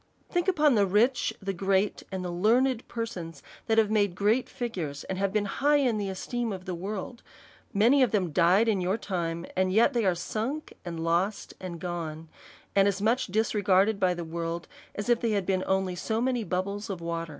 Think upon the rich, the great, and the learned persons, that have made great figures, and been high in the esteem of the world ; many of them died in your time, and yet they are sunk, and lost, and gone, and as much disregarded by the world, as if they had been only so maoy bubbles of water.